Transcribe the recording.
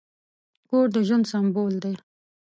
کور د ژوند سمبول دی.